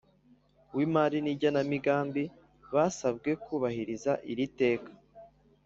W imari n igenamigambi basabwe kubahiriza iri teka